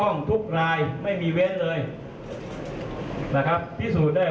สำหรับความเคลื่อนไหวในสังคมออนไลน์นะคะวันนี้ก็มีการแชร์คลิปวิดีโอชุดใหม่ค่ะ